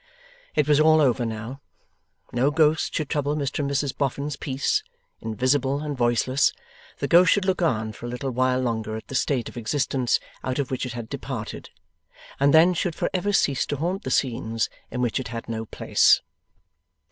It was all over now. No ghost should trouble Mr and Mrs Boffin's peace; invisible and voiceless, the ghost should look on for a little while longer at the state of existence out of which it had departed, and then should for ever cease to haunt the scenes in which it had no place.